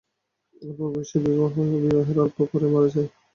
অল্প বয়সেই বিবাহ হয় এবং বিবাহের অল্প পরেই মারা যায়।